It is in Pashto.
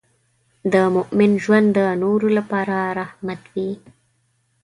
د مؤمن ژوند د نورو لپاره رحمت وي.